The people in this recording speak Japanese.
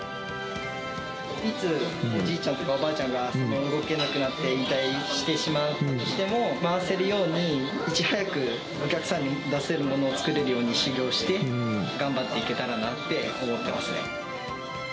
いつ、おじいちゃんとおばあちゃんが動けなくなって、引退してしまったとしても、回せるように、いち早くお客さんに出せるものを作れるように修業して、頑張っていけたらなって思ってますね。